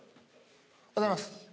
おはようございます。